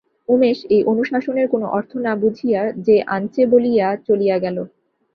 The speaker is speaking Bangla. উমেশ এই অনুশাসনের কোনো অর্থ না বুঝিয়া যে আঞ্চে বলিয়া চলিয়া গেল।